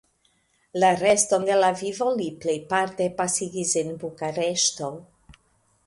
La reston de la vivo li plejparte pasigis en Bukareŝto.